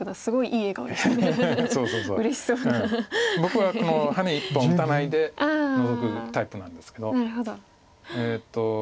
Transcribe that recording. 僕はこのハネ１本打たないでノゾくタイプなんですけど。